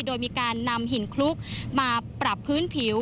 โดยมีการนำหินคลุกมาปรับพื้นผิว